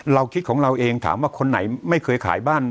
เราคิดของเราเองถามว่าคนไหนไม่เคยขายบ้าน